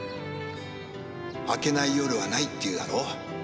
明けない夜はないって言うだろ。